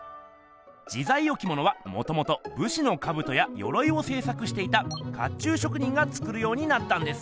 自在置物はもともとぶしのカブトやヨロイをせい作していた甲冑職人が作るようになったんです！